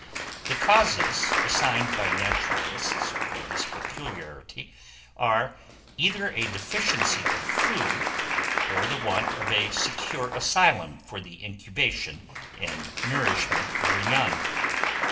The causes assigned by naturalists for this peculiarity are, either a deficiency of food, or the want of a secure asylum for the incubation and nourishment of their young.